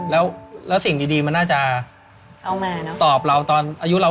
แล้วสิ่งดีมันน่าจะตอบเราตอนอายุเรา๕๐๖๐